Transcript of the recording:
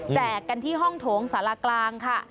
กันที่ห้องโถงสารกลางค่ะ